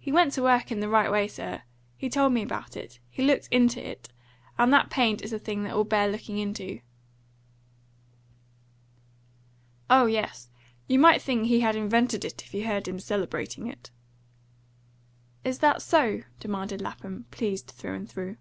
"He went to work in the right way, sir! He told me about it. He looked into it. And that paint is a thing that will bear looking into." "Oh yes. You might think he had invented it, if you heard him celebrating it." "Is that so?" demanded Lapham, pleased through and through.